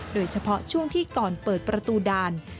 โดยเฉพาะช่วงที่ก่อนเปิดประตูด่าน